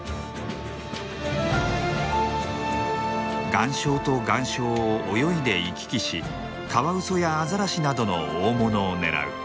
岩礁と岩礁を泳いで行き来しカワウソやアザラシなどの大物を狙う。